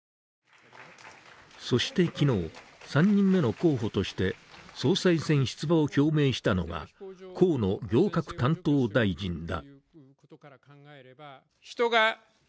そして昨日、３人目の候補として総裁選出馬を表明したのが河野行革担当大臣だ。